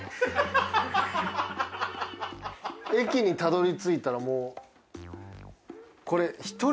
駅にたどり着いたらもう。